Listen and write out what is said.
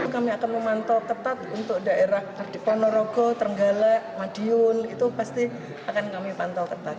kami akan memantau ketat untuk daerah ponorogo terenggala madiun itu pasti akan kami pantau ketat